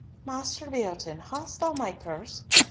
Master Beatoun, hast thou my purse?